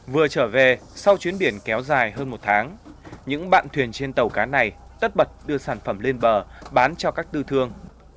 vừa trở về sau chuyến biển kéo dài hơn một tháng những bạn thuyền trên tàu cá này tất bật đưa sản phẩm lên bờ bán cho các tư thương